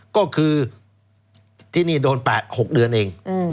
ก็คือที่นี่โดน๘๖เดือนเอง